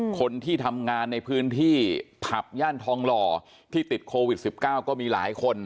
คนที่ทำงานในพื้นที่ผับย่านทองหล่อที่ติดโควิด๑๙ก็มีหลายคน